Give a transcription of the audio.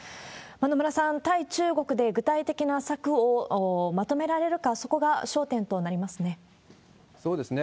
野村さん、対中国で具体的な策をまとめられるか、そうですね。